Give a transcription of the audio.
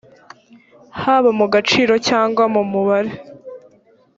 haba mu gaciro cyangwa mu mubare